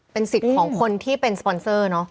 เป็นสิทธิ์ของคนที่เป็นสปอนเซอร์เนอะ